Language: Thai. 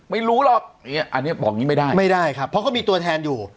ไม่รู้หรอกอันนี้บอกอย่างนี้ไม่ได้ไม่ได้ครับเพราะเขามีตัวแทนอยู่